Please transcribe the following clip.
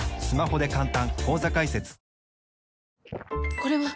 これはっ！